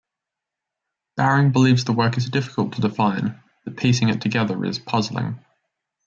Bowring believes the work is difficult to define, that piecing it together is puzzling.